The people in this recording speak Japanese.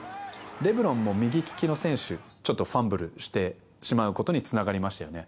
レブロンも右利きの選手、ちょっとファンブルしてしまうことにつながりましたよね。